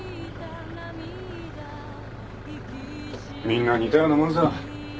みんな似たようなもんさ。